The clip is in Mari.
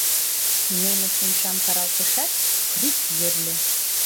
Немыч умшам каралтышат, крӱп йӧрльӧ.